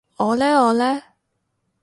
我呢我呢？